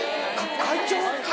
会長⁉